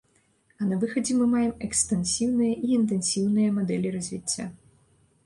А на выхадзе мы маем экстэнсіўныя і інтэнсіўныя мадэлі развіцця.